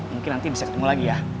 mungkin nanti bisa ketemu lagi ya